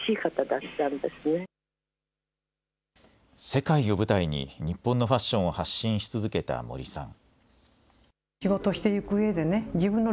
世界を舞台に日本のファッションを発信し続けた森さん。